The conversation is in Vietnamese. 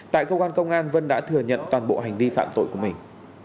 tại cơ quan công an vân đã thừa nhận toàn bộ hành vi phạm tội của mình